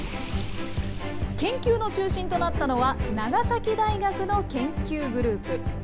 研究の中心となったのは、長崎大学の研究グループ。